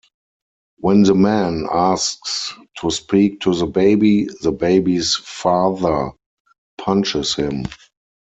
When the man asks to speak to the baby, the baby's father punches him.